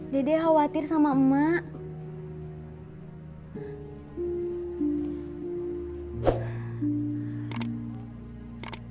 dede khawatir sama emak